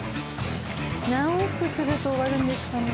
何往復すると終わるんですかね？